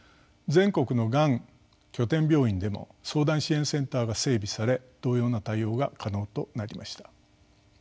全国のがん拠点病院でも相談支援センターが整備され同様な対応が可能となりました。